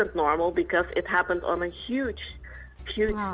ini tidak normal karena terjadi pada kekuatan besar